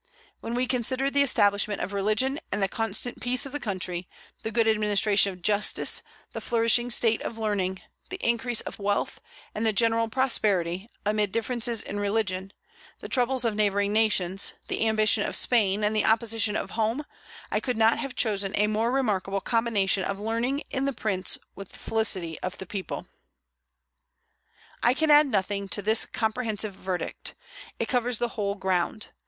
When we consider the establishment of religion, and the constant peace of the country, the good administration of justice, the flourishing state of learning, the increase of wealth, and the general prosperity, amid differences in religion, the troubles of neighboring nations, the ambition of Spain, and the opposition of Home, I could not have chosen a more remarkable combination of learning in the prince with felicity of the people." I can add nothing to this comprehensive verdict: it covers the whole ground.